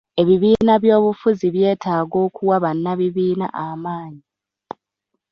Ebibiina by'obufuzi byetaaga okuwa bannabibiina amaanyi.